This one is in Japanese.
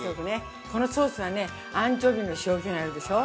このソースはねアンチョビの塩気があるでしょ。